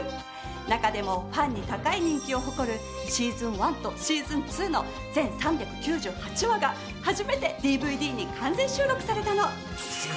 中でもファンに高い人気を誇るシーズン１とシーズン２の全３９８話が初めてＤＶＤに完全収録されたの。